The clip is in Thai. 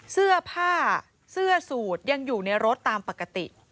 เสื้อผ้าเสื้อสูตรยังอยู่ในรถตามปกติ